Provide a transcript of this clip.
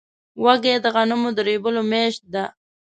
وږی د غنمو د رېبلو میاشت ده.